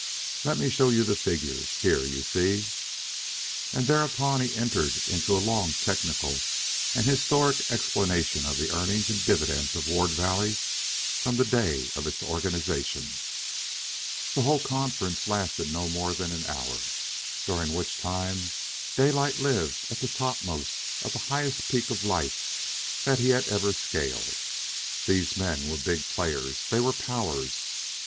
"Let me show you the figures. Here, you see..." And thereupon he entered into a long technical and historical explanation of the earnings and dividends of Ward Valley from the day of its organization. The whole conference lasted not more than an hour, during which time Daylight lived at the topmost of the highest peak of life that he had ever scaled. These men were big players. They were powers.